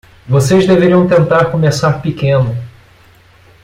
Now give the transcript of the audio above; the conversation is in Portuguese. Vocês deveriam tentar começar pequeno.